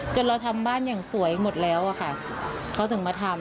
เราทำบ้านอย่างสวยหมดแล้วอะค่ะเขาถึงมาทำ